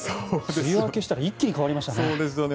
梅雨明けしたら一気に変わりましたね。